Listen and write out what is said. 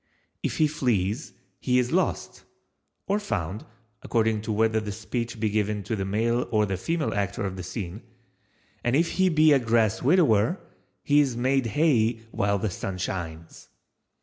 If he flees he is lost—(or found, according to whether the speech be given to the male or the female actor of the scene,)—and if he be a grass widower, he is made hay while the sun shines.